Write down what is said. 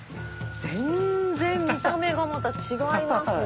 全然見た目がまた違いますね。